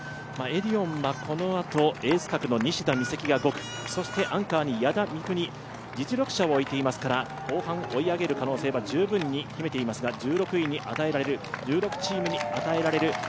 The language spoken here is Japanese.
エディオンはこのあとエース格の西田美咲が５区アンカーに矢田みくに、実力者を置いていますから後半追い上げる可能性は十分に秘めていますから１６チームに与えられる